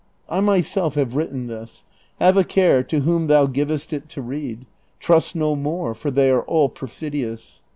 I myself have written this : have a care to whom thou givest it to read : trust no Moor, for they are all perfidious.